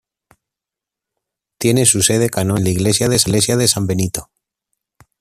Tiene su sede canónica en la iglesia de San Benito.